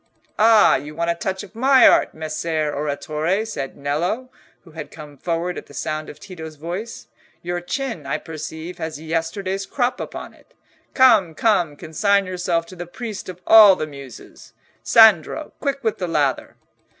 "Ah! you want a touch of my art, Messer Oratore," said Nello, who had come forward at the sound of Tito's voice; "your chin, I perceive, has yesterday's crop upon it. Come, come—consign yourself to the priest of all the Muses. Sandro, quick with the lather!"